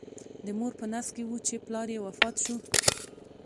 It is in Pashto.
د مور په نس کې و چې پلار یې وفات شو.